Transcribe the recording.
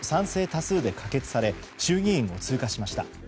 多数で可決され衆議院を通過されました。